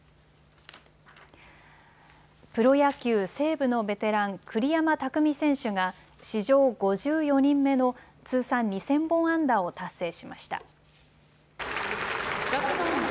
プロ野球・西武のベテラン、栗山巧選手が史上５４人目の通算２０００本安打を達成しました。